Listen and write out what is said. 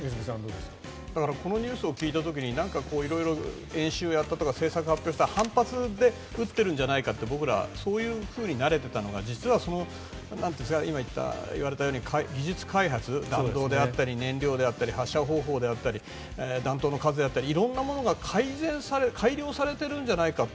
このニュースを聞いた時に演習をやったとか政策に反発して撃ってるんじゃないかって僕ら、そういうふうになれていたのが実は、今いわれたように技術開発、弾道であったり発射方法であったり弾頭の数であったり色々なものが改修されているとなると